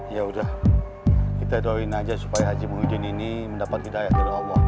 ya udah kita doain aja supaya haji muhyiddin ini mendapat hidayat dari allah